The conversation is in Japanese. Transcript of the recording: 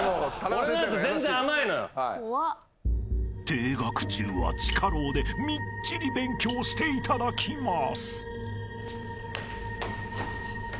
［停学中は地下牢でみっちり勉強していただきます］